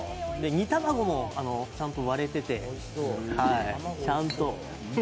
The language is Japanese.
煮卵もちゃんと割れてて、ちゃんと。